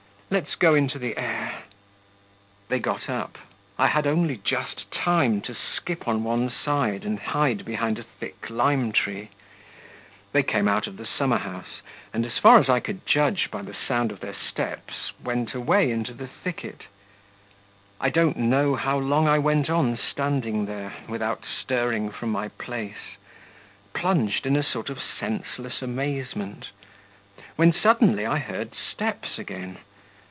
Let's go into the air.' They got up. I had only just time to skip on one side and hide behind a thick lime tree. They came out of the summer house, and, as far as I could judge by the sound of their steps, went away into the thicket. I don't know how long I went on standing there, without stirring from my place, plunged in a sort of senseless amazement, when suddenly I heard steps again.